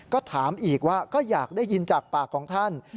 ก็ถามอีกว่าก็อยากได้ยินจากปากของท่าน